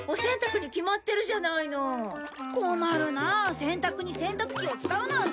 洗濯に洗濯機を使うなんて。